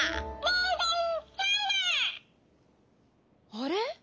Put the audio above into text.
あれ？